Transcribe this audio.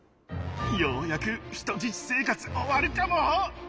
ようやく人質生活終わるかも！